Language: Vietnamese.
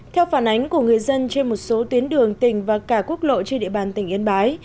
theo phản ánh của người dân trên một số tuyến đường tỉnh và cả quốc lộ trên địa bàn tỉnh yên bái